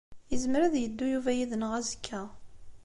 Yezmer ad yeddu Yuba yid-neɣ azekka.